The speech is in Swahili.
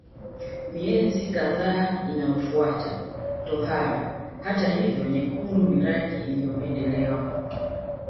Miezi kadhaa inayofuata tohara hata hivyo nyekundu ni rangi iliyopendelewa